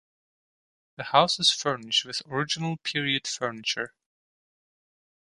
The house is furnished with original period furniture.